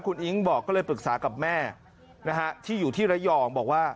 คุณอิ๊งบอกก็เลยปรึกษากับแม่นะฮะที่อยู่ที่ระยองบอกว่า